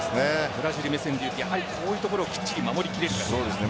ブラジル目線だとこういったところをきっちり守りきれるかどうか。